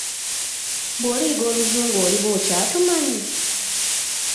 Bw'oliyiga oluzungu oliba okyatumanyi?